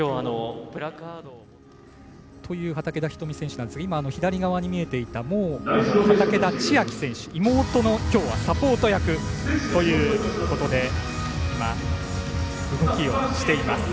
という畠田瞳選手なんですが今、左側に見えていた畠田千愛選手妹の、きょうはサポート役ということで動きをしています。